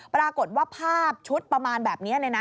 ปรากฏว่าภาพชุดประมาณแบบนี้เลยนะ